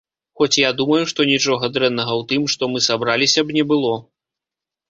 Хоць я думаю, што нічога дрэннага ў тым, што мы сабраліся б, не было.